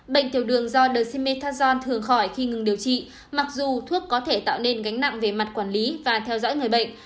bệnh tiểu đường do the methazon thường khỏi khi ngừng điều trị mặc dù thuốc có thể tạo nên gánh nặng về mặt quản lý và theo dõi người bệnh